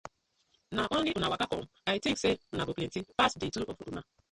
Na only una waka com? I tink say una go plenty pass di two of una.